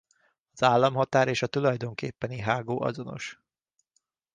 Az államhatár és a tulajdonképpeni hágó azonos.